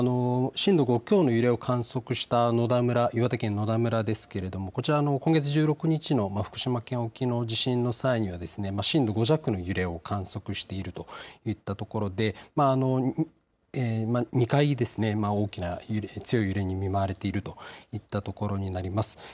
震度５強の揺れを観測した野田村岩手県野田村ですけれどもこちら今月１６日の福島県沖の地震の際にはですね震度５弱の揺れを観測しているといったところで２回ですね、大きな強い揺れに見舞われているといったところになります。